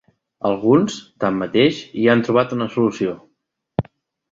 Alguns, tanmateix, hi han trobat una solució.